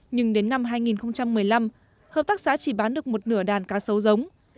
nhưng đến năm hai nghìn một mươi năm hợp tác xã chỉ bán được một nửa đàn cá sấu giống